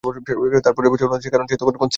তার পরের বছরও হল না, কারণ সে তখন কনসিভ করেছে।